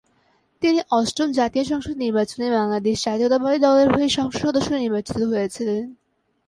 তিনি অষ্টম জাতীয় সংসদ নির্বাচনে বাংলাদেশ জাতীয়তাবাদী দলের হয়ে সংসদ সদস্য নির্বাচিত হয়েছিলেন।